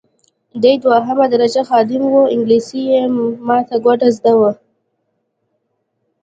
دی دوهمه درجه خادم وو انګلیسي یې ماته ګوډه زده وه.